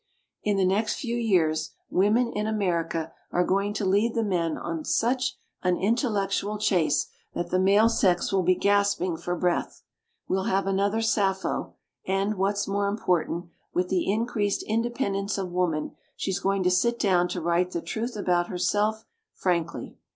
In the next few years women in America are going to lead the men on such an intellectual chase that the male sex will be gasping for breath. We'll have another Sappho, and, what's more im portant, with the increased independ ence of woman, she's going to sit down to write the truth about herself frankly.